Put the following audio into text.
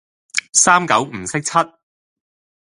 三九唔識七